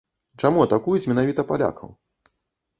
Чаму атакуюць менавіта палякаў?